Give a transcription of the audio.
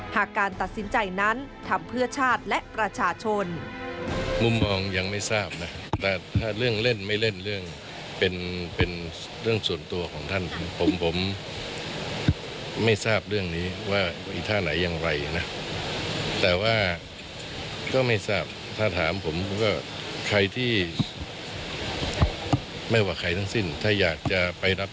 การตัดสินใจนั้นทำเพื่อชาติและประชาชน